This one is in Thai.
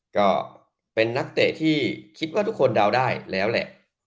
ก็เป็นนักเตะที่คิดว่าทุกคนเดาได้แล้วแหละ